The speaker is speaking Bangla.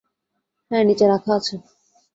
হ্যাঁ, নিচে রাখা আছে।